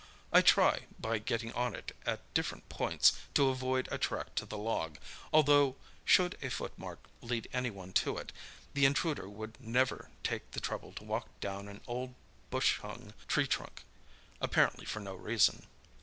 I try, by getting on it at different points, to avoid a track to the log, although, should a footmark lead anyone to it, the intruder would never take the trouble to walk down an old bushhung tree trunk, apparently for no reason.